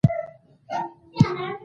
دا پر پرانېستو بنسټونو ولاړ و